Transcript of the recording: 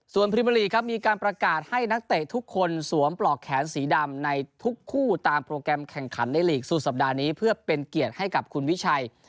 ส่วนพรีเมอร์ลีกครับมีการประกาศให้นักเตะทุกคนสวมปลอกแขนสีดำในทุกคู่ตามโปรแกรมแข่งขันในลีกสุดสัปดาห์นี้เพื่อเป็นเกียรติให้กับคุณวิชัย